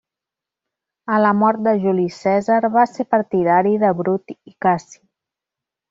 A la mort de Juli Cèsar va ser partidari de Brut i Cassi.